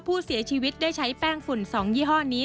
ผู้เสียชีวิตได้ใช้แป้งฝุ่น๒ยี่ห้อนี้